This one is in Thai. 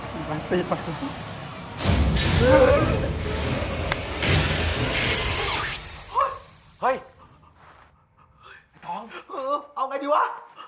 เฮ้ยไอ้พอลว์เอาไงดีวะ